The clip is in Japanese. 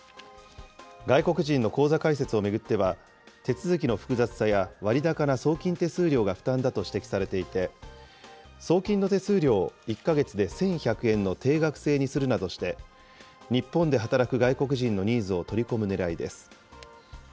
外国人の口座開設を巡っては、手続きの複雑さや割高な送金手数料が負担だと指摘されていて、送金の手数料を１か月で１１００円の定額制にするなどして、日本で働く外国人のニーズを取り込むねらいです。